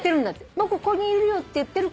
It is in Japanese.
僕ここにいるよって言ってるか